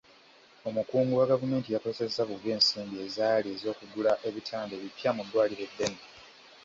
Omukungu wa gavumenti yakozesa bubi ensimbi ezaali ez'okugula ebitanda ebipya mu ddwaliro eddene.